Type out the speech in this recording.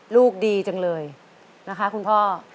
ลูกดีจังเลยนะคะคุณพ่อ